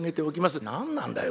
「何なんだよ？